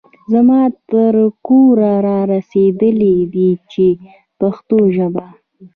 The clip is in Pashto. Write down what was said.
زما تر کوره را رسېدلي دي په پښتو ژبه.